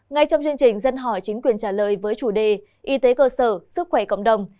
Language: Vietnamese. ngay trong chương trình dân hỏi chính quyền trả lời với chủ đề y tế cơ sở sức khỏe cộng đồng